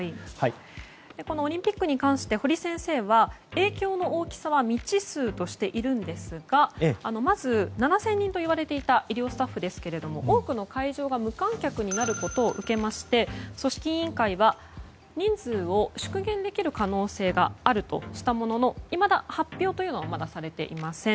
オリンピックに関して堀先生は影響の大きさは未知数としていますがまず、７０００人と言われていた医療スタッフですが多くの会場が無観客になることを受けまして組織委員会は人数を縮減できる可能性があるとしたもののいまだ発表というのはされていません。